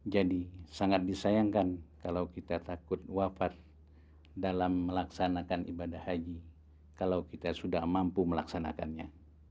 jadi sangat disayangkan kalau kita takut wafat dalam melaksanakan ibadah haji kalau kita sudah mampu melaksanakannya